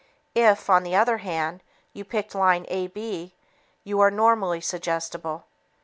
If, on the other hand, you picked line AB, you are normally suggestible.